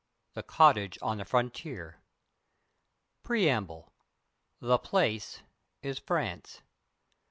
The Cottage on the Frontier. PREAMBLE. THE place is France.